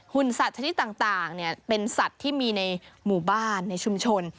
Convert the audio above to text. สัตว์ชนิดต่างเป็นสัตว์ที่มีในหมู่บ้านในชุมชน